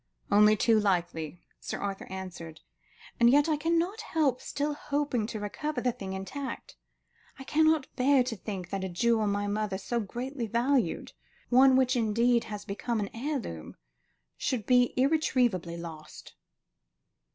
"Only too likely," Sir Arthur answered; "and yet I cannot help still hoping to recover the thing intact. I cannot bear to think that a jewel my mother so greatly valued, one which indeed has become an heirloom, should be irretrievably lost."